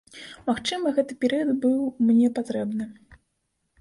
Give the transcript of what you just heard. Магчыма, гэты перыяд быў мне патрэбны.